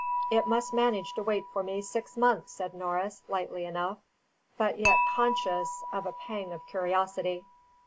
"It must manage to wait for me six months," said Norris, lightly enough, but yet conscious of a pang of curiosity.